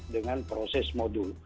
dengan proses modul